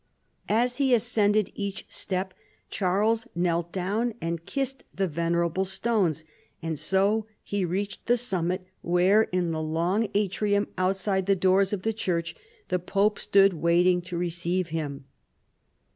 As he ascended each step, Charles knelt down and kissed the venerable stones; and so he reached the summit where, in the long atrium outside the doors of the church the pope stood waiting to receive him.